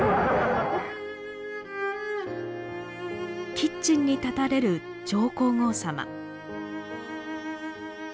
キッチンに立たれる上皇后さま。